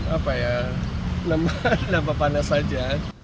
apa ya kenapa panas saja